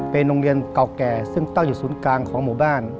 เป็นโรงเรียนเก่าแก่ซึ่งตั้งอยู่ศูนย์กลางของหมู่บ้าน